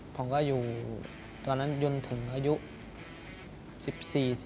พ่อก็อยู่ตอนนั้นยุนถึงอายุ๑๔๑๕ครับ